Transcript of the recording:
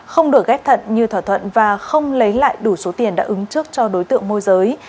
không được ghép thận như thỏa thuận và không lấy lại đủ số tiền đã ứng trước cho đối tượng môi giới